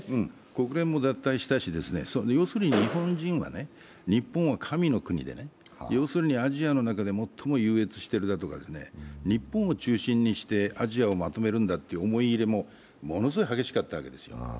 国連も脱退したし、要するに日本人は日本は神の国でアジアの中で最も優越しているとか日本を中心にしてアジアをまとめるんだという思い入れも、ものすごい激しかったわけです。